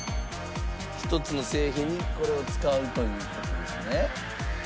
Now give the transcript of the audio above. １つの製品にこれを使うという事ですね。